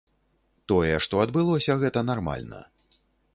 Тое, што адбылося, гэта нармальна.